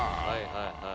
はいはい。